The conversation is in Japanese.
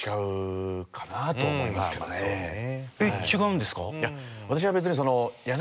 えっ違うんですか？